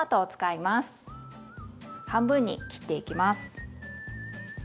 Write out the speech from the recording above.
半分に切っていきます。